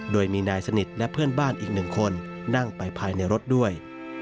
โดยมีนายสนิทและเพื่อนบ้านอีกหนึ่งคนนั่งไปภายในรถด้วย